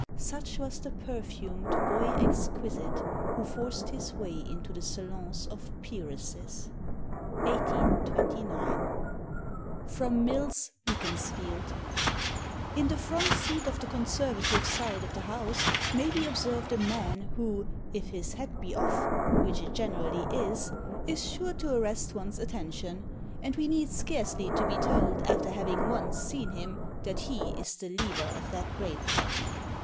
Such was the perfumed boy exquisite who forced his way into the salons of peeresses." 1829. [Sidenote: Mill's Beaconsfield.] "In the front seat on the Conservative side of the House, may be observed a man who, if his hat be off, which it generally is, is sure to arrest one's attention, and we need scarcely to be told after having once seen him that he is the leader of that great party.